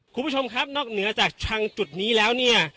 คุณผู้ชมครับนอกเหนือจากชังจุดนี้แล้วเนี่ย